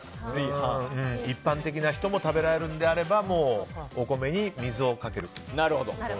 一般的な人も食べられるのであればもう、お米に水をかける。